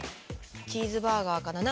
チーズバーガーかな。